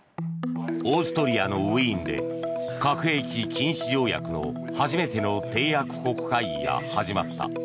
オーストリアのウィーンで核兵器禁止条約の初めての締約国会議が始まった。